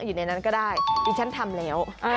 อยู่ในนั้นก็ได้ดิฉันทำแล้ว